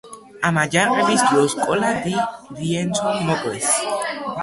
ამ აჯანყების დროს კოლა დი რიენცო მოკლეს.